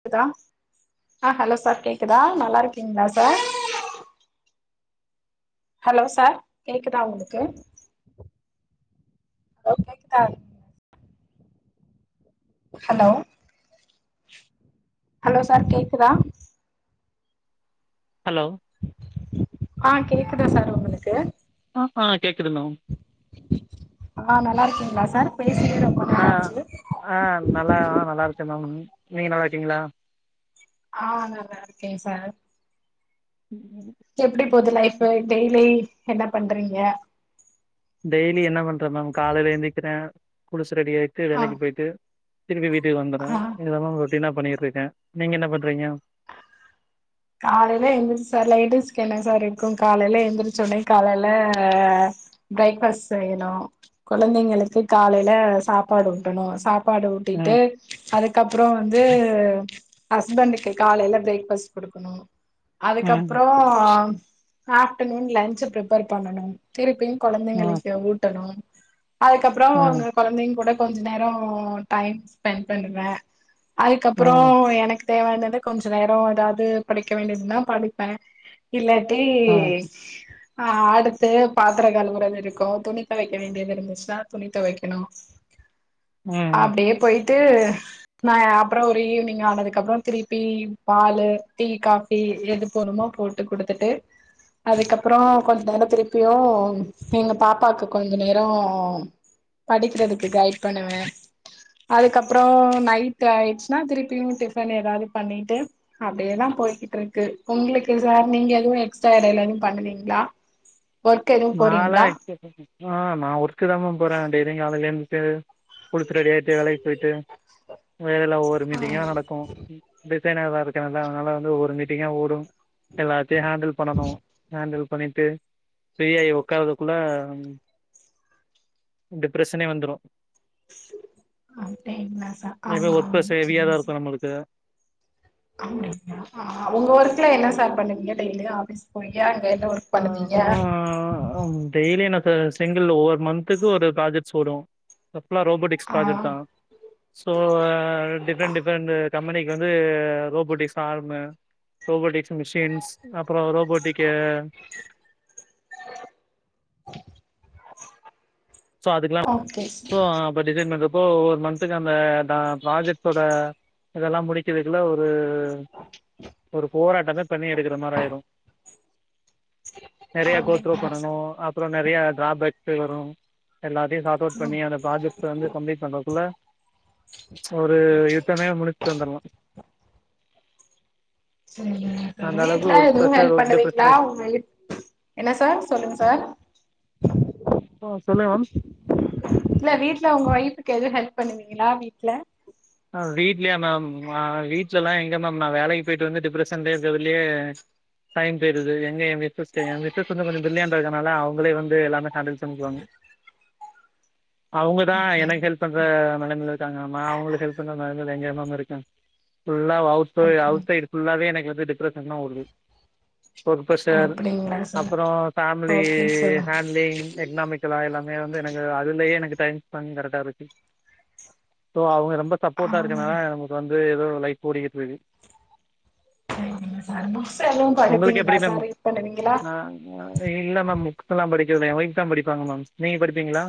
க்குதா அ hello sir கேக்குதா நல்லா இருக்கீங்ளா சார் ஹலோ சார் கேக்குதா உங்களுக்கு ஹலோ கேக்குதா ஹலோ ஹலோ சார் கேக்குதா ஹலோ ஆ கேக்குதா சார் உங்ளுக்கு ஆ ஆ கேக்குது மேம் ஆ நல்லாருக்கீங்ளா சார் பேசீட்ருந்தோ அ அ நல்லா அ நல்லா இருக்க மேம் நீங்க நல்லா இருக்கீங்ளா ஆ நல்லா இருக்கே சார் ம் ம் எப்டி போது லைஃபு டெய்லி என்ன பண்றீங்க டெய்லி என்ன பண்ற மேம் காலைல எந்திக்கிற குளுச்சு ரெடி ஆய்ட்டு ஆ வேலைக்கு பொய்ட்டு திருப்பி வீட்டுக்கு வந்தர ஆ இதெல்லா ரொட்டீனா பண்ணீட்ருக்க நீங்க என்ன பண்றீங்க காலைல எந்திரிச்சு சார் லேடீஸ்க்கு என்ன சார் இருக்கு காலலல எந்திரிச்ச ஒனே காலைல பிரேக்ஃபஸ்ட் செய்யணு கொழந்தைங்களுக்கு காலைல சாப்பாடு ஊட்டணு சாப் பாடு ஊட்டிட்டு ம் அதுக்கப்றோ வந்து ஹஸ்பண்டுக்கு காலைல ப்ரேக்ஃபஸ்ட் ம் அதுக்கப்றோ ஆஃப்டநூன் லன்ச்சு ப்ரிப்பேர் பண்ணணு திருப்பியு ம் கொழந்தைங்களுக்கு ஊட்டணு அதுக்கப்றோ ம் அவுங்க கொழந்தைங் கூட கொஞ்ச நேரோ டைம் ஸ்பெண் பண்ணுவ அதுக்கப்றோ ம் எனக் தேவாயானத கொஞ்ச நேரோ எதாவ்து படிக்க வேண்டியதுனா படிப்ப இல்லாட்டி ம் ஆ அடுத்து பாத்ர கழுவுரது இருக்கு துணி தொவைக்க வேண்டியது இருந்துச்சுன்னா துணி தொவைக்கணு ம் அப்டே பொயிட் ட்டு நா அப்றோ ஒரு ஈவ்னிங் ஆனதுக்கு அப்றோ திருப்பி பாலு டீ காஃபி எது போட்ணுமோ போட்டு குடுத்துட்டு அதுக்கப்றோ கொஞ்ச நேரோ திருப்பியு எங்க பாப்பாக்கு கொஞ்ச நேரோ படிக்றதுக்கு ஹைட் பண்ணுவ அதுக்கப்றோ நைட் ஆய்ச்சுனா திருப்பியு டிஃபன் எதாது பண்ணீட்டு அப்டியேதா போய்க்கிட்டு இருக்கு உங்ளுக்கு சார் நீங்க எதுவு எக்ஸ்ட்ரா எடைல எதுவு பண்ணுவீங்ளா ஒர்க் எது நாலா போறீங்ளா ஆ நா ஒர்க்குதா மேம் போற டெய்லி காலைல எந்திச்சு குளுச்சு ரெடியாய்ட்டு வேலைக்கு போய்ட்டு வேலைல ஒவ்வொரு ஆ மீட்டிங்கா நடக்கு டிசைனரா இருக்கல்ல அதனால வந்து ஒவ்வொரு மீட்டிங்கா ஓடு எல்லாத்தியு ஹேண்டில் பண்ணணு ஹேண்டில் பண்ணிட்டு ஃப்ரீயாயி உக்காரதுக்குள்ள டிப்ரஷனே வந்துரு அப்டிங்களா சார் ஆ எப்யு ஒர்க்ப்ரெஷர் சேரி ஹெவியாதா சார் இருக்கு நம்ளுக்கு உங்க ஒர்க்ல என்ன சார் பண்ணுவீங்க டெய்லி ஆஃபீஸ் பொய்யா அங்க என்ன ஒர்க் பண்ணுவீங்க அ டெய்லி எனக்கு சிங்கில் ஒவ்வொரு மந்த்துக்கு ஒரு ப்ர்ஜக்ட்ஸ் வரு அ ஃபுல்லா ரோபோட்டிக் ஸ் ஆ ப்ராஜெட்தா ஸோ டிஃப்ரெண்ட் டிஃப்ரெண்ட் கம்பெனிக்கு வந்து ரோபோட்டிக்ஸ்லா ஆர்மு ரோபோட்டிக்ஸ் மிஷின்ஸ் அப்றோ ரோபோட்டிக்கு ஸோ அதுக்கெல்லா ஓகே ஸோ சார் அப்போ டிசைன் பண்றோப்போ ஒவ்வொரு மந்த்துக்கு அந்த ப்ராஜெக்ட்டோட இதெல்லா முடிக்கிறதுக்குல ஒரு ஒரு போராட்டமே பண்ணி எடுக்ற மாரி ஆயிரு நறைய கோத்ரு அப்டிங்களா பண்ணணு சார் அப்றோ நறைய டிரா பேக்ஸ் வரு எல்லாத்தையு சார்ட் அவுட் ம் பண்ணி அந்த ப்ராஜெக்ட்ட வந்து சப்மிட் பண்ணுறக்குள்ள சொரு யுத்தமே முடிச்சிட்டு வந்துடலாம் சரி அந்த அளவுக்கு ஒர்க் வீட்லஎதுவும் ப்ரெஷர் ஹெல்ப் ஒர்க் டிப்ரெஷன் பண்ணுவீங்களா உங்க வீட் என்ன சார் சொல்லுங்க சார் ஆ சொல்லுங்க மேம் இல்ல வீட்ல ஒங்க ஒய்ஃபுக்கு எதுவும் ஹெல்ப் பண்ணுவீங்களா வீட்ல ஆ வீட்லயா மேம் வீட்லலாம் எங்க மேம் நா வேலைக்கு போய்ட்டு வந்து டிப்ரெஷன்லே இருக்கறதுலயே டைம் போய்டுது எங்க என் மிஸஸ் க்கு என் மிஸஸ் வந்து கொஞ்சோ பிரில்லியண்ட்டா இருக்கறனால அவங்களே வந்து எல்லாமே ஹேண்டில்ஸ் பண்ணிக்குவாங்க அவுங்க தான் எனக்கு ஹெல்ப் பண்ற நெலைமைல இருக்காங்க நா அவங்களுக் ஹெல்ப் பன்ற நெலமைல எங்க மேம் இருக்கேன் ஃபுல்லா அவுட்ரு அவுட் சைடு ஃபுல்லாவே எனக்கு வந்து டிப்ரஷன் தான் வருது ஒர்க் ப்ரஷர் அப்டிங்களா சார் அப்புறம் ஃபேமிலி ஓகே சார் ஹேண்ட்லிங் எக்னாமிக்கலாக எல்லாமே வந்து எனக்கு அதுலயே எனக்கு டைம் ஸ்பெண்ட் கரெக்டா இருக்கு சோஅல்ங்க ரொம்ப ஆ சப்போர்ட்டா இருக்கனால நமக்கு வந்து ஏதோ லைஃப் ஓடிக்கிட்டு இருக்கு சரிங்க சார் புக்ஸ் எதும் படிப்பீங்களா சார் ரீட் பண்ணுவீங்களா இல்ல மேம் புக்ஸ் எல்லாம் படிக்கறது இல்ல என் வைஃப் தான் படிப்பாங்க மேம் நீங்க படிப்பீங்களா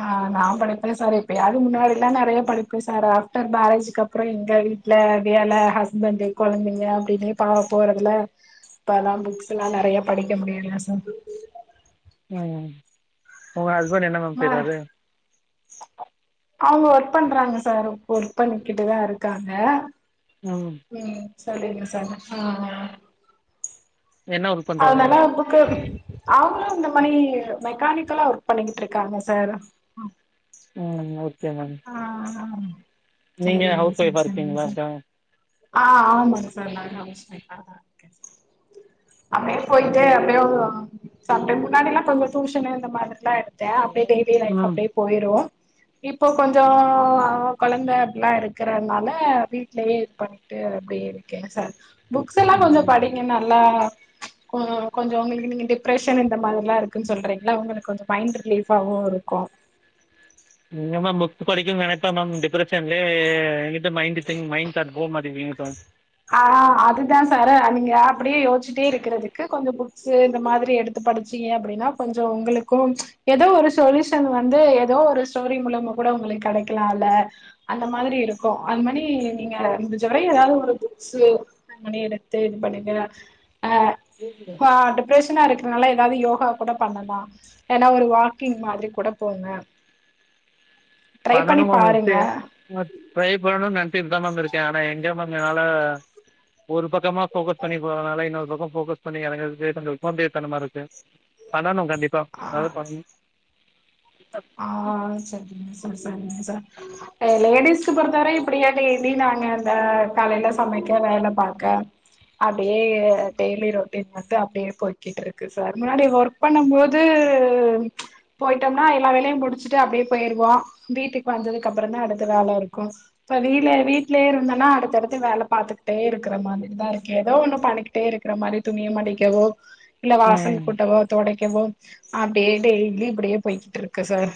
ஆ நா படிப்பேன் சார் இப்ப யாரு முன்னாடி எல்லாம் நெறைய படிப்பேன் சார் ஆஃப்டர் மேரேஜ்க்கு அப்றோ எங்க வீ ட்ல வேல ஹஸ்பண்டு கொழந்தைங்க அப்படின்னே பால போறதுல இப்பல்லாம் புக்ஸ் எல்லாம் நெறைய படிக்க முடியல சார் ம் ஒங்க ஹஸ்பண்ட் என்ன மேம் ம செய்றாரு அவங்க ஒர்க் பண்றாங்க சார் ஒர் ஒர்க் பண்ணிக்கிட்டு தான் இருக்காங்க ம் ம் சரிங்க சஜசன் என்ன ஒர்க் பண்ணுறாங்க அதனாலா புக்கு அவ்ங்களும் இந்த மணி மெக்கானிக்கலா ஒர்க் பண்ணிக்கிட்டு இருக்காங்க சார் ம் ஓகே மேம் ஆஹ் செரி நீங்கள் செரி ஹவுஸ் செரி ஒய்ஃபாக செரிங்க இருக்கீங்களா சர் அதான் ஆ ஆமாங்க சார் நா ஹவுஸ் வைஃப் தா நா அப்டியே போய்ட்டு எப்பயோ சம்டைம் முன்னாடி எல்லாம் கொஞ்சோ டூஷன்ல இந்த மாதிரி எல்லாம் எடுத் த அப்யே டெய்லி டெய்லி லைஃப் ம் அப்டியே போயிரும் இப்போ கொஞ்சோ கொழந்த அப்டிலாம் இருக்கறனால வீடிலயே இது பண்ணி ட்டு அப்டியே இருக்கேன் சார் புக்ஸ் எல்லாம் கொஞ்சோ படிங்க நல்லா கொஞ்சோ ஒங்களுக்கு நீங்க டிப்ரெஷன் இந்த மாதிரிலாம் இருக்குனு சொல்றீங்கள உங்களுக்கு கொஞ்சோ மைண்ட் ரிலீஃபாவும் இருக்கும் எங்க மேம் புக்ஸ்படிக்கனும் நெனைப்பேன் மேம் டிப்ரெஷன்லே இங் க்கிட்டு மைண்ட் த் மைண்ட் தாட் போக மாட்டீங்கு இப்ப ஆ அதுதான் சாரே நீங்க அப்டியே யோசிச்சிட்டே இருக்கறதுக்கு கொஞ்சோ புக்ஸ்சு இந்த மாரி எடுத்து படிச் சீங்க அப்படின்னா கொஞ்சோம் ஒங்களுக்கும் ஏதோ ஒரு சொல்யூஷன் வந்து ஏதோ ஒரு ஸ்டோரி மூலமா கூட உங்களுக்கு கடைக்கலாம்ல்ல அந்த மாதிரி இருக்கும் அது மாரி நீங்க முடிஞ்சவரையும் ஏதாது ஒரு புக் ஸோ அந்த மணி எடுத்து இது பண்ணுங்க அ பா டிப்ரெஷனா இருக்கறனால ஏதாது யோகா கூட பண்ணலாம் ஏன்னா ஒரு வாக்கிங் மாதிரி கூட போங்க ட்ரை பண்ணி பண்ணணும் மேம் பாருங்க எப்படி ட்ரை பண்ணணும்னு நெனச்சிட்டு தான் மேம் இருக்கேன் ஆனா எங்க மேம் என்னால ஒரு பக்கமா ஃபோக்கஸ் பண்ணி போறதுனால இன்னொரு பக்கம் ஃபோக்கஸ் பண்ணி எறங்கர்துக்கு கொஞ்சோ சோம்பேறி தனமாருக்கும் பண்ணணும் கண்டிப்பா அத பன் ஆ செரி செரிங் செரி செரிங்க சார் ஆ லேடிஸ்க்கு பொறுத்தவரை இப்டியே நீ இனி நாங்க இந்த காலில சமைக்க வேல பாக்க அப்டியே டெய்லி ரொட்டீன் மட்டு அப்டியே போய்க்கிட்டுருக்கு சார் முன்னாடி ஒர் க் பண்ணும் போது போயிட்டோம்னா எல்லா வேலை யு முடிச்சுட்டு அப்டியே போய்ருவோ வீட்டுக்கு வந்ததுக்கு அப்புற தா அடுத்த வேல இருக்கு இப்ப வீல வீட்லயே இருந்தன்னா அடுத்தடுத்து வேல பாத்துக்கிட்டே இருக்கிற மாதிரிதா இருக்கு ஏதோ ஒண்ணு பண்ணிக் கிட்டே இருக்கிற மாரி துணிய மடிக்கவோ இல்ல வாசல் ம் கூட்டவோ தொடைக்கவோ அப்டியே டெய்லி இப்டியே போய்கிட்டுருக்கு சார்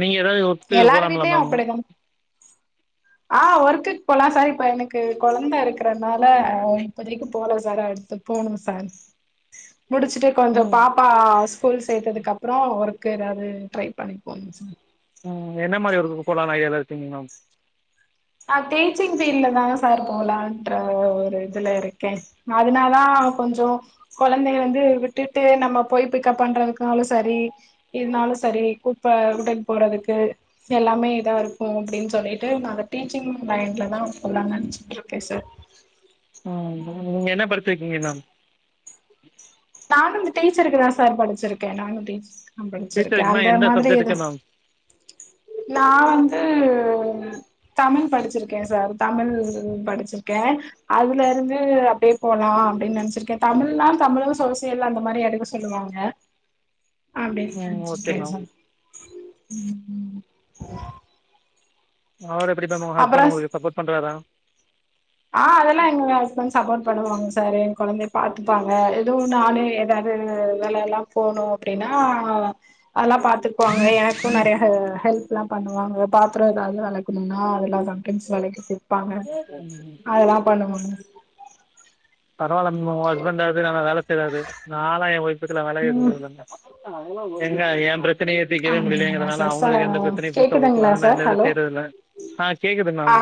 நீங்கள் ஏதாவது ஒர்க்கு எல்லார் போகலாம்ல வீட்லயு மேம் அப்டிதா ஆ ஒர்க்குக்கு போலா சார் இப்ப எனக்கு கொழந்தை இருக்கறனால இப்போதைக்கு போல சார் அடுத்து போணு சார் முடிச்சுட்டு கொஞ்சொ ம் பாப்பா ஸ்கூல் சேத்ததுக்கு அப்புறோ ஒர்க்கு ஏதாது ட்ரை பண்ணி போணு சா ம் என்ன மாரி ஒர்க்கு போலானு ஐடியால இருக்கீங்க மேம் ஆ டீச்சிங் ஃபீல்ட்ல தா சார் போலான்ற ஒரு இதுல இருக்கே அதுனாதா கொஞ்சோ கொழந்தைைய வந்து விட்டுட்டு நம்ம போய் பிக்கப் பண்றதுக்குனாலு சரி இதுனாலு சரி கூப்ப விட்டுட்டு போறதுக்கு எல்லாமே இதா இருக்கு அப்டின்னு சொல்லிட்டு நாங்க டீச்சிங் லைன்ல தா போலான்னு நெனச்சிட்டு இருக்கே சார் ம் ம் நீங்க என்ன படிச்சிருக்கீங்க மேம் நானு இந்த டீச்சருக்கு தா சார் படிச்சிருக்கே நானு டீச் நா படிச்சிருக்கே டீச்சருக்குன்னா அந்த எந்த மாதிரி இது சப்ஜெக்ட்டுக்கு மேம் நா வந்து தமிழ் படிச்சிருக்கே சார் தமிழ் படிச்சிருக்கே அதுல இருந்து அப்டியே போலா அப்டின்ன நெனைச்சிருக்கே தமிழ்னா தமிழ் சோசியல் அந்த மாரி எடுக்க சொல்லுவாங்க அப்டின்னு ம் ஓகே நெனச்சிருக்கே மேம் சார் ம் ம் அவுரு எப்டி மேம் உங்க ஹஸ்பண்ட் அப்பறோ உங்களுக்கு சப்போர்ட் பன்றாரா ஆ அதெல்லா எங்க ஹஸ்பண்ட் சப்போர்ட் பண்ணுவாங்க சார் எ கொழந்தைய பாத்துப்பாங்க எதுவு நானே ஏதாது வேலைல போனு அப்டின்னா அதெல்லா பாத்துப்பாங்க எனக்கு நெறைய ஹெ ஹெல்ப்லா பண்ணுவாங்க பாத்திரோ ஏதாது வெளக்கணுனா அதெலா ப திங்க்ஸ் வெளக்கி குப்பாங்க ம் அதெல்லா பண்ணுவாங்க பரவால ம் உ ஹஸ்பண்டாவது நம்ம வேலை செய்றாரு நாலா எல்லா எ வைஃப்க்கு வேலையே ம் செஞ்சதில்ல ஏங்க எ பிரச் சனைய தீக்கவே ஆமாங்களா முடியலைங்கறதுனால சார் சார் அவங்களுக்கு எந்த பிரச்சனையு கேக்குதுங்களா சார் [unintelligible] ஹலோ செய்யறதில்ல ஆ கேக்குது மேம் ஆ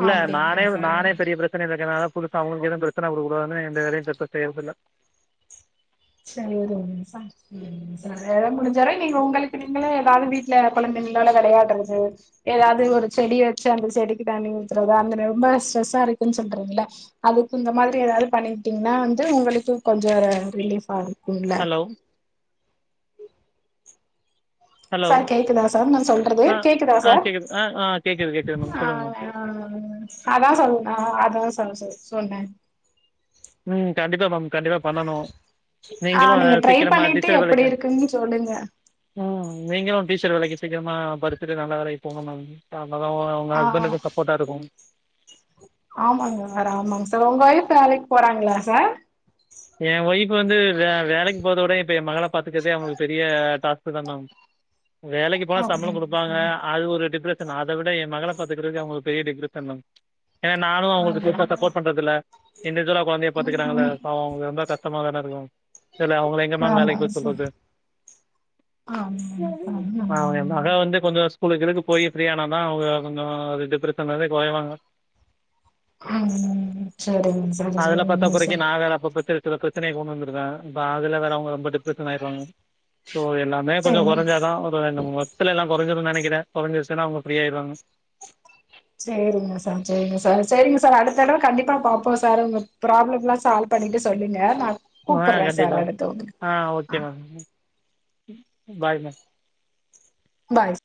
இல்ல அப்டிங்களா நானே நானே சார் பெரிய பிரச் சனைல இருக்கனால புதுசா அவுங்களுக்கு எதுவு பிரச்சனை குடுக்கக்கூடாதுனு எந்த வேலையு [unintelligible] செய்றதில்ல சரி வுடுங்க மிஸ் ஆயிருச்சு ம் [unintelligible] முடிஞ்சளவு நீங்க உங்களுக்கு நீங்களே ஏதாவது வீட்டுல கொழந்தைங்களோட வெளையாடுறது ஏதாது ஒரு செடிய வச்சு அந்த செடிக்கு தண்ணி ஊத்துறதா அந்த ரொம்ப ஸ்ட்ரெஸ்ஸா இருக்குன்னு சொல்றீங்கள அதுக்கு இந்த மாதிரி ஏதாது பண்ணிக்ட்டீங்கன்னா வந்து உங்களுக்கு கொஞ்சோ ரிலீஃபா இருக்கு லோ ஹலோ சார் கேக்குதா சார் நா சொல்றது ஆ கேக்குதா ஆ சார் கேட்குது ஆ ஆ கேட்குது கேட்குது மேம் ஆ சொல்லுங்கள் ஆ அத சொல்ற அத சொல் சொல் சொன்ன ம் கண்டிப்பா மேம் கண்டிப்பா பண்ணணு ஆ நீங்க ட்ரை பண்ணிட்டு எப்டி வேலைக்கு இருக்குன்னு சொல்லுங்க ம் நீங்களு டீச்சர் வேலைக்கு சீக்கிரமா படிசிட்டு நல்ல வேலைக்கு போங்க மேம் அப்பதா உங்க ஆ ஹஸ்பண்டுக்கு சப்போட்டா இருக்கு ஆமாங்க வேற ஆமாங்க சார் உங்க ஒய்ஃப் வேலைக்கு போறாங்ளா சார் ஏ ஒய்ஃப்பு வந்து வே வேலைக்கு போறத விட இப்ப என் மகளை பாத்துக்கற்தே அவுங்களுக்கு பெரிய டாஸ்கு தா மேம் வேலைக்கு போனா சம்பள அப்டிங்களா குடுப்பாங்க அது ஒரு டிப்ரஸ் ஸன் அத விட எ மகளை பாத்துக்கறதே அவுங்களுக்கு பெரிய டிப்ரெஷன் மேம் எனா நானு அவங்களுக்கு பெருசா அப்டிங்களா சப்போர்ட் பண்றதுல்ல இண்டிஜுவலா கொழந்தைய பாத்துகிறாங்கில்ல ம் பாவோ அவுங்க ரொம்ப கஷ்டமா தானே இருக்கு இதுல அவுங்கள எங்கே மேம் வேலைக்கு ஆமாங்க போக சார் சொல்றது ஆமாங்க ஆ எ மக வந்து கொஞ்சோ ஸ்கூலுக்கு கீலுக்கு போயி ஃப்ரீயானா தா அவுங்க கொஞ்சோ அது டிப்ரஷன்லிருந்தே கொறைவாங்க ம் ம் சேரிங்க அதுல பத்தா குறைக்கி நா வேற அப்பப்ப சில சில பிரச்சனைய கொண்டு வந்திருதே இப்ப அதுல வேற அவுங்க ரொம்ப டிப் ரஷன் ஆயிருவாங்க சோ எல்லாமே கொஞ்சோ கொறைஞ்சா தா இன்னு ரெண்டு மூணு வர்ஷ்துல எல்லா கொறஞ்சிருன்னு நெனைக்கிறே கொறஞ்சிருச்சீன்னா அவுங்க ப்ரீயாயிருவாங்க சேரிங்க சார் சேரிங்க சார் சேரிங்க சார் அடுத்தடவ கண்டிப்பா பாப்போ சார் உங்க ப்ராப்ளம் எல்லா சால் பண்ணீட்டு சொல்லுங்க நா ஆ கூப்பட்றே சார் கண்டிப்பா அடுத்து உங்களுக்கு ஆ ஓகே ஆ மேம் பாய் மேம் பாய்